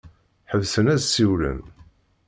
Ḥebsen ad ssiwlen.